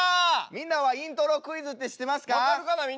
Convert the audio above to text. みんなはイントロクイズって知ってますか？